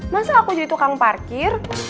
masa aku jadi tukang parkir